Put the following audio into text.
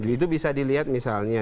itu bisa dilihat misalnya